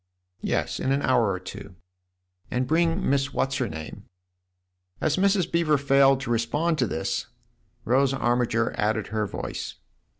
" Yes, in an hour or two." "And bring Miss What's her name?" As Mrs. Beever failed to respond to this, Rose Armiger added her voice.